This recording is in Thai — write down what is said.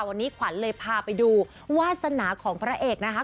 วันนี้ขวัญเลยพาไปดูวาสนาของพระเอกนะคะ